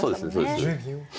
そうです。